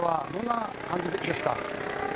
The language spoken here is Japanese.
どんな感じですか？